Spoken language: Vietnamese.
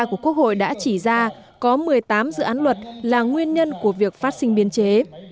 của quốc hội đã chỉ ra có một mươi tám dự án luật là nguyên nhân của việc phát sinh biên chế